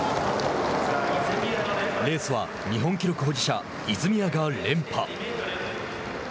レースは日本記録保持者泉谷が連覇。